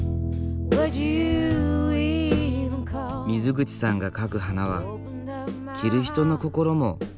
水口さんが描く花は着る人の心も映し出す。